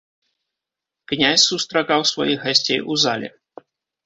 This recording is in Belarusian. Князь сустракаў сваіх гасцей у зале.